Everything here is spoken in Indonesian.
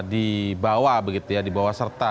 dibawa begitu ya dibawa serta